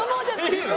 いいの？